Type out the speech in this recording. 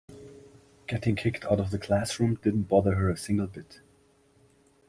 Getting kicked out of the classroom didn't bother her a single bit.